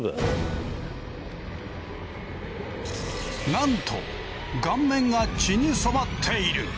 なんと顔面が血に染まっている。